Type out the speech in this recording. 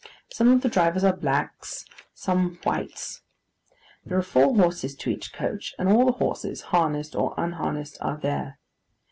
Some of the drivers are blacks, some whites. There are four horses to each coach, and all the horses, harnessed or unharnessed, are there.